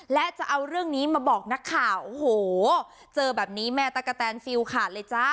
และจะเอาเรื่องนี้มาบอกนักข่าวโอ้โหเจอแบบนี้แม่ตะกะแตนฟิลขาดเลยจ้า